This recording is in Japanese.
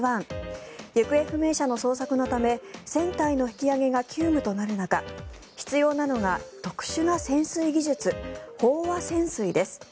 行方不明者の捜索のため船体の引き揚げが急務となる中、必要なのが特殊な潜水技術、飽和潜水です。